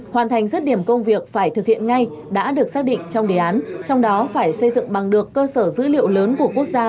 hoàn thành dứt điểm công việc phải thực hiện ngay đã được xác định trong đề án trong đó phải xây dựng bằng được cơ sở dữ liệu lớn của quốc gia